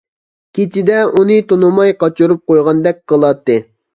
كېچىدە ئۇنى تونۇماي قاچۇرۇپ قويغاندەك قىلاتتى.